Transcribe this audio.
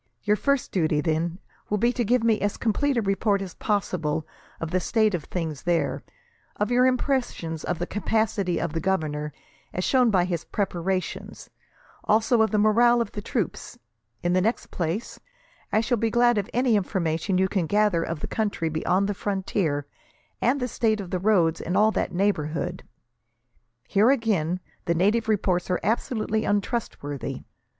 Your first duty, then, will be to give me as complete a report as possible of the state of things there; of your impressions of the capacity of the governor, as shown by his preparations; also of the morale of the troops. In the next place, I shall be glad of any information you can gather of the country beyond the frontier, and the state of the roads in all that neighbourhood. Here, again, the native reports are absolutely untrustworthy.